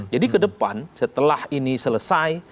jadi ke depan setelah ini selesai